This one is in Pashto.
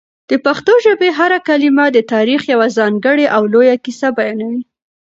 د پښتو ژبې هره کلمه د تاریخ یوه ځانګړې او لویه کیسه بیانوي.